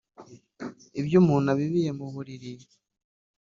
Ibyo umuntu abibiye mu mubiri